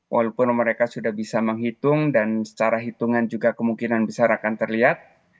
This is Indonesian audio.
walaupun mereka sudah bisa menghitung dan secara hitungan juga kemungkinan besar akan terlihat